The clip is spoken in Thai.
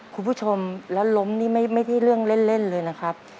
คุณผู้ชมแล้วล้มนี่ไม่ใช่เรื่องเล่นเลยนะครับ